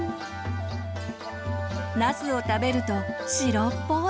ナスを食べると白っぽい。